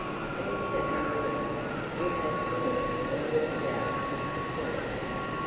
And Mr Arabin would have to learn all this about Mr Slope!